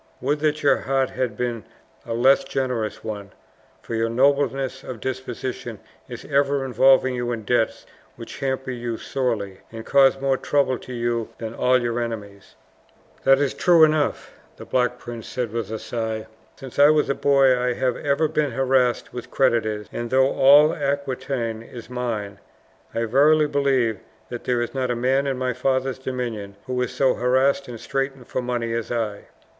"Would that your heart had been a less generous one, for your nobleness of disposition is ever involving you in debts which hamper you sorely, and cause more trouble to you than all your enemies!" "That is true enough," the Black Prince said with a sigh. "Since I was a boy I have ever been harassed with creditors; and though all Aquitaine is mine, I verily believe that there is not a man in my father's dominions who is so harassed and straitened for money as I."